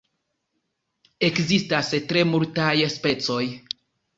Ekzistas tre multaj specoj.